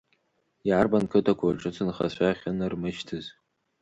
Иарбан қыҭақәоу аҿыцынхацәа ахьынармышьҭыз?